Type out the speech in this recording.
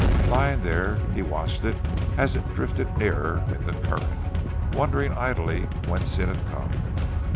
Lying there he watched it as it drifted nearer in the current, wondering idly whence it had come.